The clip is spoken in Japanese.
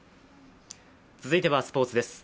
続いてはスポーツです。